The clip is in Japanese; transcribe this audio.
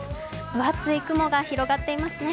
分厚い雲が広がっていますね。